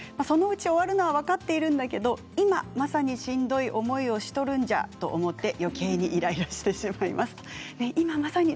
そのうち終わるのは分かっているんだけど今まさにしんどい思いをしとるんじゃと思って、よけいにイライラしてしまいます。